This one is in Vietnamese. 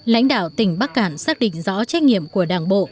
lãnh đạo tỉnh bắc cạn xác định rõ trách nhiệm của đảng bộ